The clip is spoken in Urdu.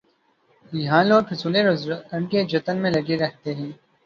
یہاں لوگ حصول روزگار کے جتن میں لگے رہتے ہیں۔